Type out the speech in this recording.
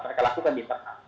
mereka lakukan di internal